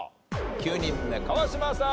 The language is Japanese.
９人目川島さん